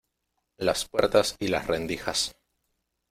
las puertas y las rendijas.